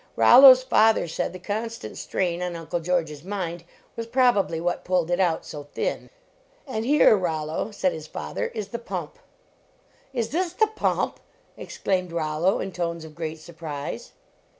Rol lo s father said the constant strain on Uncle George s mind was probably what pulled it out so thin. "And here, Rollo," said his father, "is the pump." "Is this the pump?" exclaimed Rollo, in tones of great surprise.